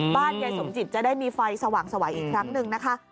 ยายสมจิตจะได้มีไฟสว่างสวัยอีกครั้งหนึ่งนะคะ